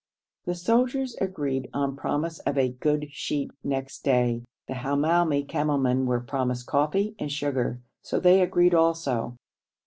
The soldiers agreed on promise of a good sheep next day; the Hamoumi camel men were promised coffee and sugar, so they agreed also.